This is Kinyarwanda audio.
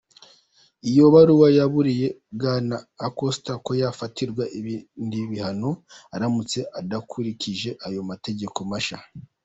Iyo baruwa yaburiye Bwana Acosta ko yafatirwa ibindi bihano aramutse adakurikije ayo mategeko mashya.